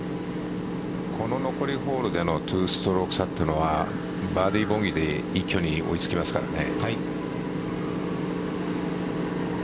この残りホールでの２ストローク差というのはバーディー、ボギーで一挙に追いつきますからね。